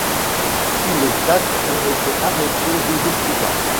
Tous les quatre ont été arrêtés deux jours plus tard.